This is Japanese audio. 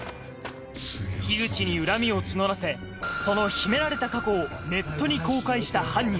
口に恨みを募らせその秘められた過去をネットに公開した犯人